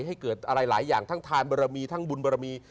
ให้เกิดอะไรหลายอย่างทั้งทานบรมีทั้งบุญบรมี